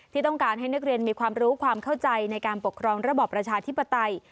ที่ต้องการให้นักเรียนมีความรู้ความเข้าใจในการปกครองระบอบประชาธิปไตย